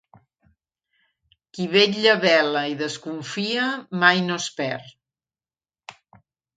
Qui vetlla vela i desconfia mai no es perd.